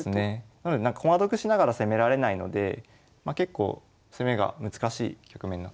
なので駒得しながら攻められないので結構攻めが難しい局面になってしまいます。